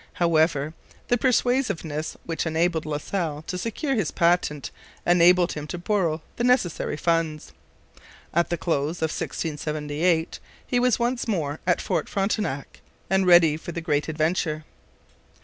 However, the persuasiveness which enabled La Salle to secure his patent enabled him to borrow the necessary funds. At the close of 1678 he was once more at Fort Frontenac and ready for the great adventure.